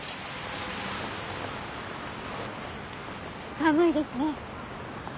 寒いですね。